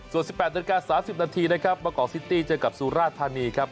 ส่วน๑๘นาฬิกา๓๐นาทีนะครับมากอกซิตี้เจอกับสุราธานีครับ